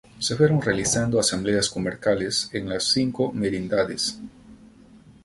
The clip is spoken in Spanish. Se fueron realizando asambleas comarcales en las cinco merindades.